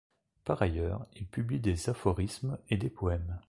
Par ailleurs, il publie des aphorismes et des poèmes.